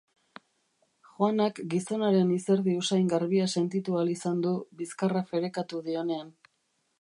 Joanak gizonaren izerdi usain garbia sentitu ahal izan du bizkarra ferekatu dionean.